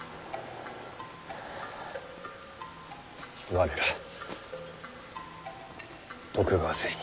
我ら徳川勢に。